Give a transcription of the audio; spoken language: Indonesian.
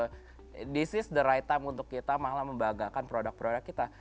this is the right time untuk kita malah membagakan produk produk kita